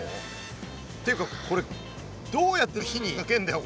っていうかこれどうやって火にかけんだよ？